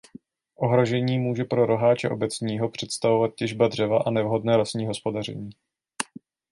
Ohrožení může pro roháče obecného představovat těžba dřeva a nevhodné lesní hospodaření.